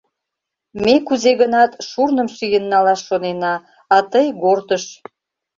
Ме кузе-гынат шурным шийын налаш шонена, а тый ГОРТ-ыш.